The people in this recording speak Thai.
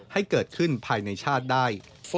ให้เกิดขึ้นภายในชาติได้